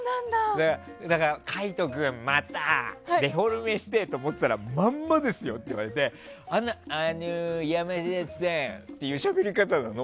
だから海人君、またデフォルメしてと思ったらまんまですよって言われてあの山里さあん！っていうしゃべり方なの？